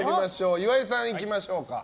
岩井さん、いきましょうか。